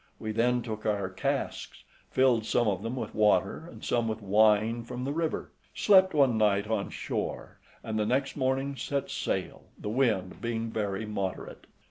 We then took our casks, filled some of them with water, and some with wine from the river, slept one night on shore, and the next morning set sail, the wind being very moderate.